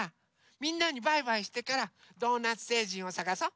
みんなにバイバイしてからドーナツせいじんをさがそう。